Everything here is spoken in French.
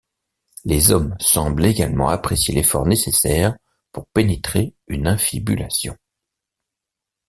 Les hommes semblent également apprécier l'effort nécessaire pour pénétrer une infibulation.